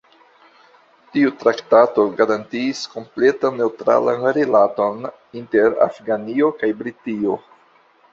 Tiu traktato garantiis kompletan neŭtralan rilaton inter Afganio kaj Britio.